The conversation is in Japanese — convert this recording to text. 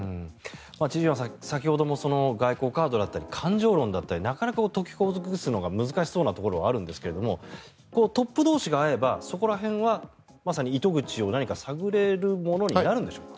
千々岩さん、先ほども外交カードだったり感情論だったりなかなか解きほぐすのが難しそうなところはあるんですがトップ同士が会えばそこら辺は糸口を探れるものになるんでしょうか？